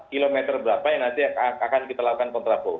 kilometer berapa yang nanti akan kita lakukan kontraflow